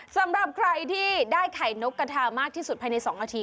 สำหรับใครที่ได้ไข่นกกระทามากที่สุดภายใน๒นาที